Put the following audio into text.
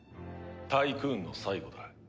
タイクーンの最期だ。